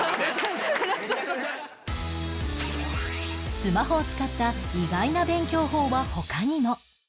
スマホを使った意外な勉強法は他にも